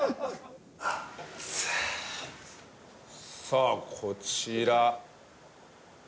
さあこちらね。